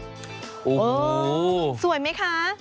โอ้โหสวยไหมคะ